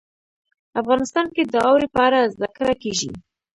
افغانستان کې د اوړي په اړه زده کړه کېږي.